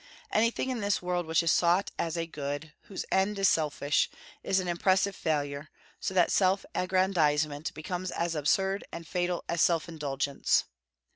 Anything in this world which is sought as a good, whose end is selfish, is an impressive failure; so that self aggrandizement becomes as absurd and fatal as self indulgence.